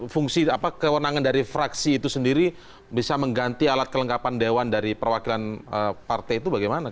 fungsi apa kewenangan dari fraksi itu sendiri bisa mengganti alat kelengkapan dewan dari perwakilan partai itu bagaimana